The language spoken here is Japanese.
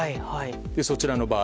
そちらの場合